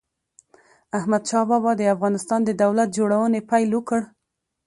احمد شاه بابا د افغانستان د دولت جوړونې پيل وکړ.